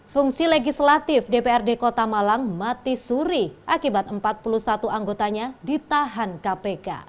fungsi legislatif dprd kota malang mati suri akibat empat puluh satu anggotanya ditahan kpk